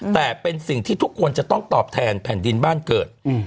แต่เป็นสิ่งที่ทุกคนจะต้องตอบแทนแผ่นดินบ้านเกิด